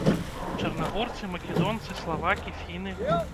Чарнагорцы, македонцы, славакі, фіны.